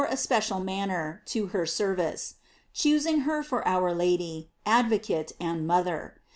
653 especial manner, to her service; choosing her for our Lady, advocate, and mother.!